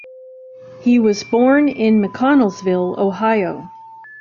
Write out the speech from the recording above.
He was born in McConnelsville, Ohio.